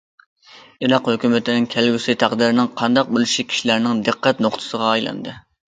ئىراق ھۆكۈمىتىنىڭ كەلگۈسى تەقدىرىنىڭ قانداق بولۇشى كىشىلەرنىڭ دىققەت نۇقتىسىغا ئايلاندى.